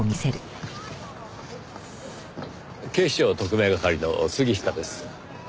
警視庁特命係の杉下です。